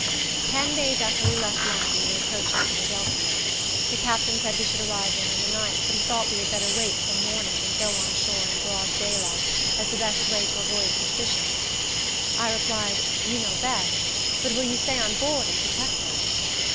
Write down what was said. Ten days after we left land we were approaching Philadelphia. The captain said we should arrive there in the night, but he thought we had better wait till morning, and go on shore in broad daylight, as the best way to avoid suspicion. I replied, "You know best. But will you stay on board and protect us?"